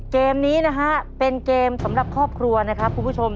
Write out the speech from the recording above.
เกมนี้นะฮะเป็นเกมสำหรับครอบครัวนะครับคุณผู้ชม